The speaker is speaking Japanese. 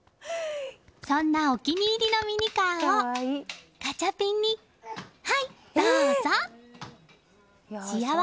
そんなお気に入りのミニカーをガチャピンにはい、どうぞ！